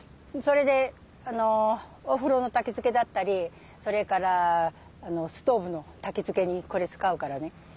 それでお風呂のたきつけだったりそれからストーブのたきつけにこれ使うからね。